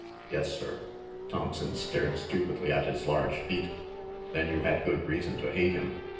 "Yes, sir." Thompson stared stupidly at his large feet. "Then you had good reason to hate him?